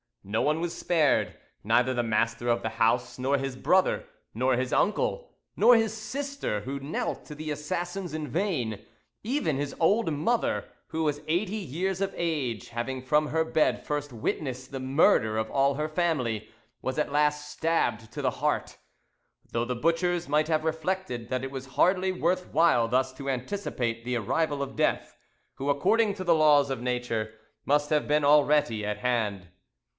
No one was spared; neither the master of the house, nor his brother, nor his uncle, nor his sister, who knelt to the assassins in vain; even his old mother, who was eighty years of age, having from her bed first witnessed the murder of all her family, was at last stabbed to the heart, though the butchers might have reflected that it was hardly worth while thus to anticipate the arrival of Death, who according to the laws of nature must have been already at hand.